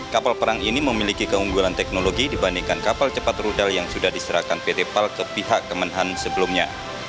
kapal perang ini memiliki keunggulan teknologi dibandingkan kapal cepat rudal yang sudah diserahkan pt pal ke pihak kemenhan sebelumnya